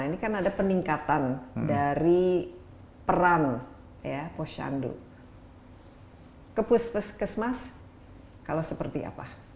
ini kan ada peningkatan dari peran puskesmas ke puskesmas kalau seperti apa